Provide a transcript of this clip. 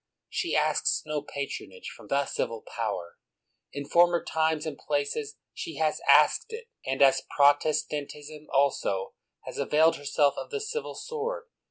She asks no patronage from the ci^al power; in former times and places she has asked it, and, as Protestantism also, has availed herself of the civil sword.